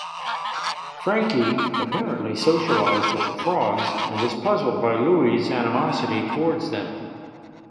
Frankie apparently socialized with the frogs and was puzzled by Louie's animosity towards them.